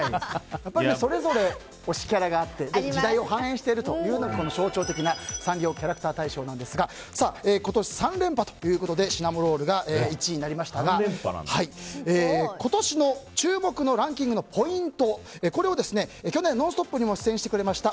それぞれ推しキャラがあって時代を反映しているサンリオキャラクター大賞なんですが今年３連覇ということでシナモロールが１位になりましたが今年の注目のランキングのポイントを去年、「ノンストップ！」にも出演してくれました